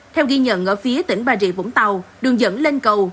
theo ghi nhận ở phía tỉnh bà rịa vũng tàu đường dẫn lên cầu